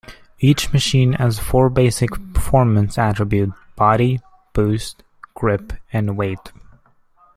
Each machine has four basic performance attributes: body, boost, grip and weight.